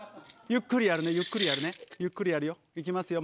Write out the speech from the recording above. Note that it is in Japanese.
ゆっくりやるねゆっくりやるねゆっくりやるよいきますよ。